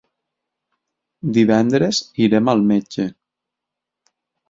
Divendres irem al metge.